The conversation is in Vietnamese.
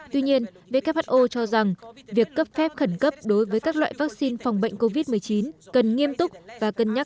tuy nhiên who cho rằng việc cấp phép khẩn cấp đối với các loại vaccine phòng bệnh covid một mươi chín cần nghiêm túc và cần nghiêm túc